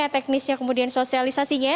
teknisnya kemudian sosialisasinya